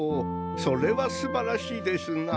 それはすばらしいですな。